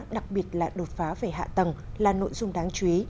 đặc biệt là đột phá về hạ tầng là nội dung đáng chú ý